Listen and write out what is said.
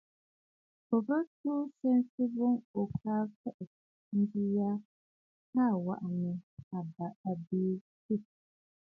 Ò bə tuu tsɛ̀sə̀ boŋ ò ka fèe njɨ̀ʼɨ̀ jya kaa waʼà nɨ̂ àbìì tswə̂.